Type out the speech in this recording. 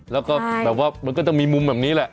แล้วก็แบบว่ามันก็จะมีมุมแบบนี้แหละ